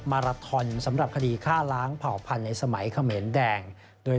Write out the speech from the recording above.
มาราทอนสำหรับคดีฆ่าล้างเผ่าพันธุ์ในสมัยเขมรแดงโดย